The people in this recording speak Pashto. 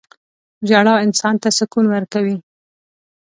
• ژړا انسان ته سکون ورکوي.